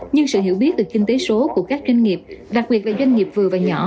nhưng sự hiểu biết từ kinh tế số của các doanh nghiệp đặc biệt là doanh nghiệp vừa và nhỏ